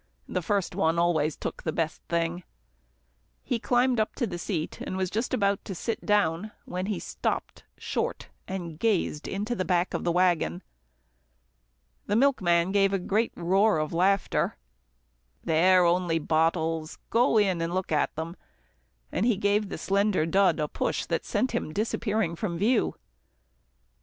The first one always took the best thing. He climbed to the seat, was just about to sit down, when he stopped short, and gazed into the back of the waggon. The milkman gave a great roar of laughter. "They're only bottles go in and look at them," and he gave the slender Dud a push that sent him disappearing from view.